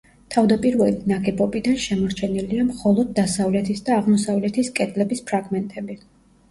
თავდაპირველი ნაგებობიდან შემორჩენილია მხოლოდ დასავლეთის და აღმოსავლეთის კედლების ფრაგმენტები.